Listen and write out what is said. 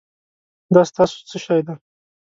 دا ستاسو څه شی دی؟